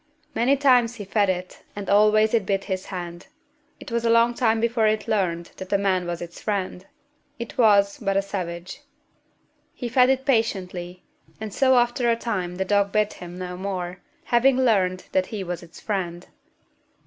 Many times he fed it, and always it bit his hand. It was a long time before it learned that the man was its friend. It was but a savage. He fed it patiently, and so after a time the dog bit him no more, having learned that he was its friend.